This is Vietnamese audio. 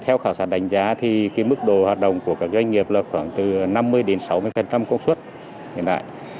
theo khảo sát đánh giá thì mức độ hoạt động của các doanh nghiệp là khoảng từ năm mươi sáu mươi công suất hiện đại